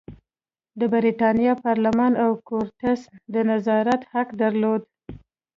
د برېتانیا پارلمان او کورتس د نظارت حق درلود.